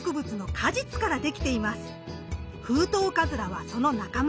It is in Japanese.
フウトウカズラはその仲間。